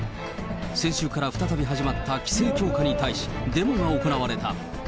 先週から再び始まった規制強化に対し、デモが行われた。